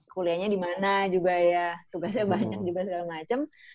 kuliahnya dimana juga ya tugasnya banyak juga segala macem